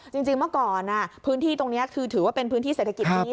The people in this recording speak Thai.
จริงเมื่อก่อนพื้นที่ตรงนี้คือถือว่าเป็นพื้นที่เศรษฐกิจนี้